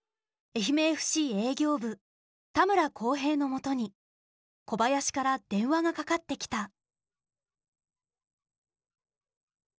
愛媛ＦＣ営業部田村光平のもとに小林から電話がかかってきた。